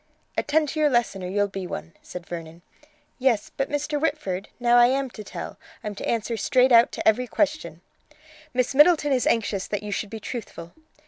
"Attend to your lesson, or you'll be one," said Vernon. "Yes, but, Mr. Whitford, now I am to tell. I'm to answer straight out to every question." "Miss Middleton is anxious that you should be truthful."